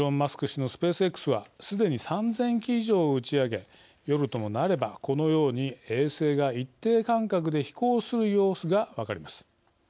氏のスペースＸはすでに３０００機以上を打ち上げ夜ともなれば、このように衛星が一定間隔で飛行する様子が分かります。